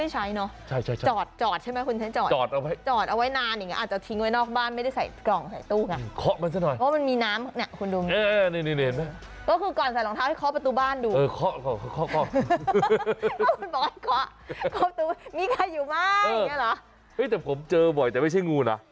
แต่ผมเจอบ่อยแต่ไม่ใช่งูนะ